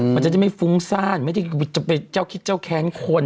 มันจะได้ไม่ฟุ้งซ่านไม่ได้จะไปเจ้าคิดเจ้าแค้นคน